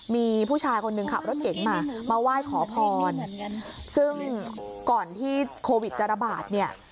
มีผู้ชายคนหนึ่งขับรถเก๋งมามาไหว้ขอพรซึ่งก่อนที่โควิดจะระบาดเนี่ย